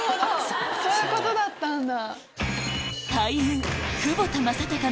そういうことだったんだ。